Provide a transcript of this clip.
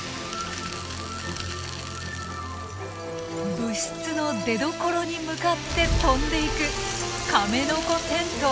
物質の出どころに向かって飛んでいくカメノコテントウ。